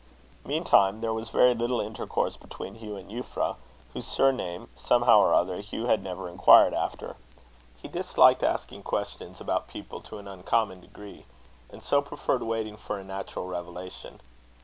Meantime there was very little intercourse between Hugh and Euphra, whose surname, somehow or other, Hugh had never inquired after. He disliked asking questions about people to an uncommon degree, and so preferred waiting for a natural revelation.